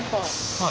はい。